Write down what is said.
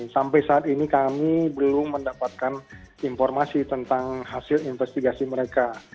sampai saat ini kami belum mendapatkan informasi tentang hasil investigasi mereka